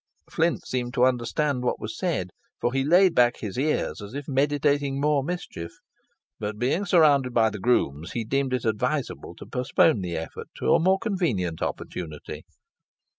Flint seemed to understand what was said, for he laid back his ears as if meditating more mischief; but being surrounded by the grooms, he deemed it advisable to postpone the attempt to a more convenient opportunity.